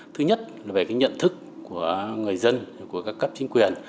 về cái nhận thức của người dân của các cấp chính quyền